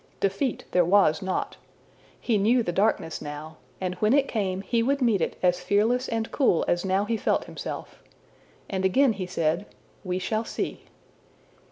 Defeat there was not. He knew the darkness now, and when it came he would meet it as fearless and cool as now he felt himself. And again he said, ``We shall see!''